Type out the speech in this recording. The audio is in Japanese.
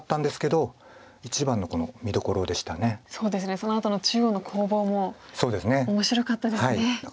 そのあとの中央の攻防も面白かったですね。